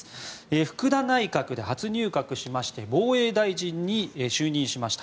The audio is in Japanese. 福田内閣で初入閣しまして防衛大臣に就任しました。